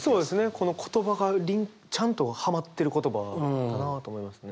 この言葉がちゃんとはまってる言葉だなと思いますね。